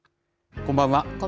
こんばんは。